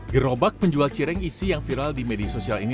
gerobak penjual cireng isi yang viral di media sosial ini